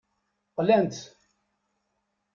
Qlant-t.